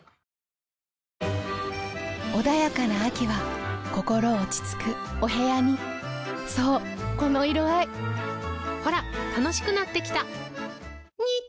穏やかな秋は心落ち着くお部屋にそうこの色合いほら楽しくなってきた！